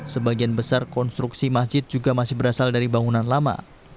sebagian besar konstruksi masjid juga masih berasal dari bangunan lama